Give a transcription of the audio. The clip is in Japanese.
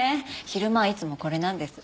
昼間はいつもこれなんです。